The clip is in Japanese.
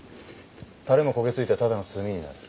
タレも焦げついてただの炭になる。